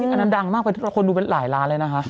อันนั้นดังมากไปคนดูเป็นหลายล้านเลยนะคะ